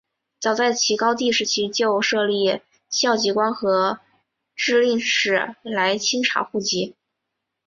早在齐高帝时期就设立校籍官和置令史来清查户籍。